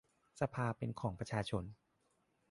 สภาเป็นของประชาชน